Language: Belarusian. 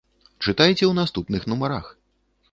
Чытайце ў наступных нумарах!